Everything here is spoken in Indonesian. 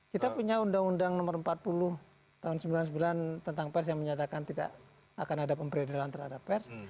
kita punya undang undang nomor empat puluh tahun sembilan puluh sembilan tentang pers yang menyatakan tidak akan ada pemberian terhadap pers